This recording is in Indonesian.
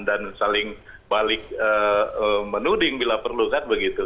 dan saling balik menuding bila perlu kan begitu